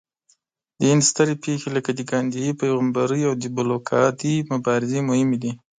د هند سترې پېښې لکه د ګاندهي پیغمبرۍ او د بلوکادي مبارزې مهمې دي.